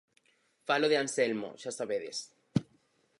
_Falo de Anselmo, xa sabedes.